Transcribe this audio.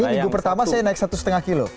ini minggu pertama saya naik satu lima kilo